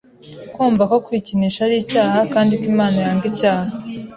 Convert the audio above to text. Kumva ko kwikinisha ari icyaha kandi ko Imana yanga icyaha.